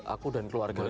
aku dan keluarga aku